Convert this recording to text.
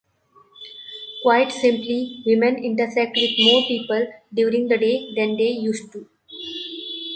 Quite simply, women intersect with more people during the day than they used to.